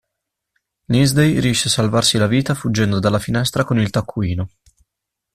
Lindsey riesce a salvarsi la vita fuggendo dalla finestra con il taccuino.